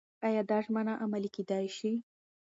ایا دا ژمنه عملي کېدای شي؟